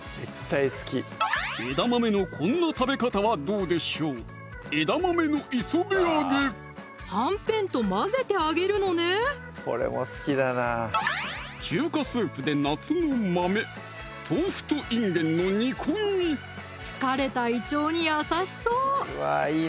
枝豆のこんな食べ方はどうでしょうはんぺんと混ぜて揚げるのね中華スープで夏の豆疲れた胃腸に優しそう！